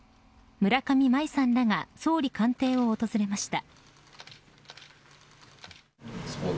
村上茉愛さんらが総理官邸を訪れました。